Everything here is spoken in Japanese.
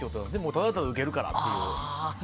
ただただウケるからっていう。